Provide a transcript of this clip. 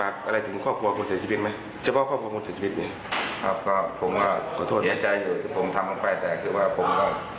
ครับผมก็เสียใจอยู่ผมทำลงไปแต่คือว่าผมก็